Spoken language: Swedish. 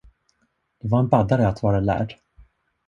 Det var en baddare att vara lärd.